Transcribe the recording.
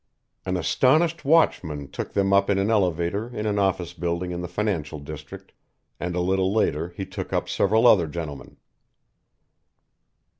An astonished watchman took them up in an elevator in an office building in the financial district, and a little later he took up several other gentlemen.